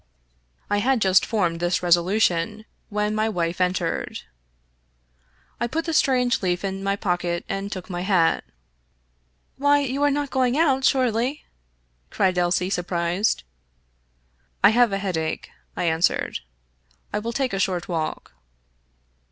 I had just formed this resolution when my wife entered. I put the strange leaf in my pocket and took my hat. Why, you are not going out, surely ?" cried Elsie, sur prised. " I have a headache," I answered. " I will take a short walk."